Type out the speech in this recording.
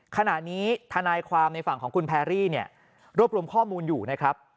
ขณะนี้ทนายความในฝั่งของคุณแพรรี่เนี่ยรวบรวมข้อมูลอยู่นะครับ